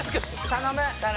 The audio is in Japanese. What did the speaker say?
頼む！